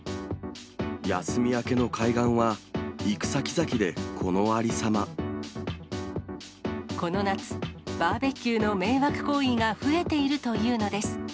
休み明けの海岸は、この夏、バーベキューの迷惑行為が増えているというのです。